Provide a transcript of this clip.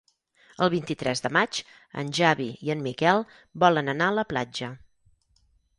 El vint-i-tres de maig en Xavi i en Miquel volen anar a la platja.